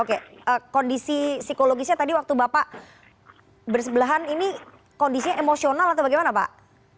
oke kondisi psikologisnya tadi waktu bapak bersebelahan ini kondisinya emosional atau bagaimana pak